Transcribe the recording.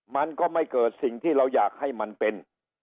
มันก็ไม่เกิดสิ่งที่เราอยากให้มันเป็น